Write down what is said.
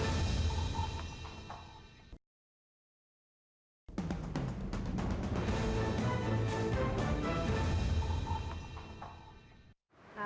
nah kita juga sudah melakukan beberapa perubahan